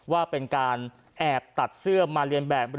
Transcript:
ว่าเป็นการแอบตัดเสื้อมาเรียนแบบ